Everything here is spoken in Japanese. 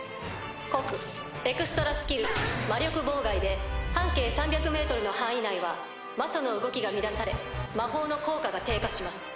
告エクストラスキル魔力妨害で半径３００ｍの範囲内は魔素の動きが乱され魔法の効果が低下します。